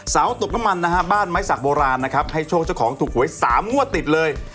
สาวตกน้ำมันบ้านไม้สักโบราณให้โชคเจ้าของถูกไหว๓งัวติดเลย